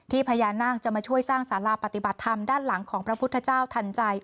พญานาคจะมาช่วยสร้างสาราปฏิบัติธรรมด้านหลังของพระพุทธเจ้าทันใจ